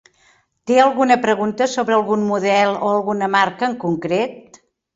Té alguna pregunta sobre algun model o alguna marca en concret?